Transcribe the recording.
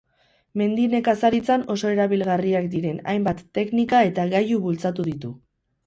Mendi nekazaritzan oso erabilgarriak diren hainbat teknika eta gailu bultzatu ditu.